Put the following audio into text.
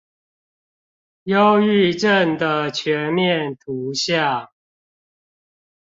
憂鬱症的全面圖像